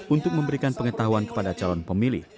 untuk memberikan pengetahuan kepada calon pemilih